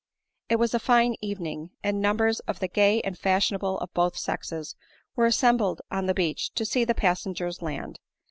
It was a fine evening ; and numbers of the gay and ADELINE MOWBRAY. 103 fashionable of both sexes were assembled on the beach, to see the passengers land.